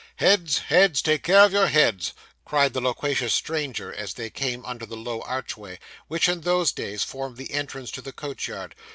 'Heads, heads take care of your heads!' cried the loquacious stranger, as they came out under the low archway, which in those days formed the entrance to the coach yard.